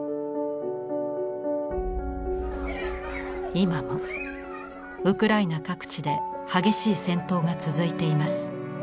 今もウクライナ各地で激しい戦闘が続いています。